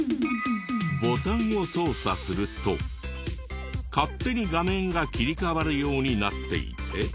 ボタンを操作すると勝手に画面が切り替わるようになっていて。